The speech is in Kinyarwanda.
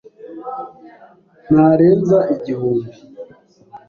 Ntarenza igihumbi.